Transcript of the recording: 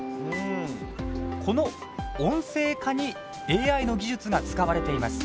この音声化にＡＩの技術が使われています。